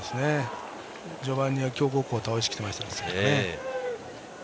序盤に強豪校を倒してきましたからね。